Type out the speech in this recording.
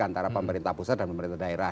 antara pemerintah pusat dan pemerintah daerah